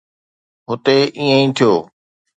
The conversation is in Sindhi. هتي ائين ئي ٿيو.